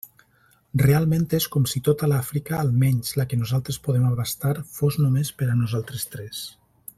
Realment és com si tota l'Àfrica, almenys la que nosaltres podem abastar, fos només per a nosaltres tres.